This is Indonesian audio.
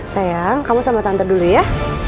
sayang kamu sama tante dulu ya